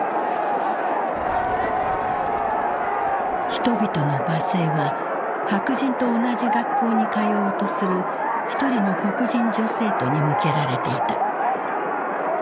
人々の罵声は白人と同じ学校に通おうとする一人の黒人女生徒に向けられていた。